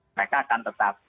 mereka akan tetap